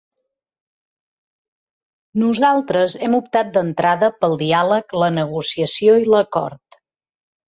Nosaltres hem optat d’entrada pel diàleg, la negociació i l’acord.